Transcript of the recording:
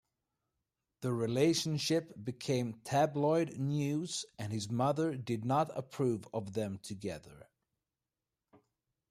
The relationship became tabloid news and his mother did not approve of them together.